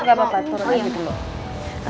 nggak apa apa turun aja dulu